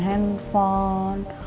udah main handphone